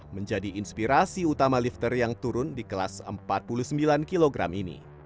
menjadi inspirasi utama lifter yang turun di kelas empat puluh sembilan kg ini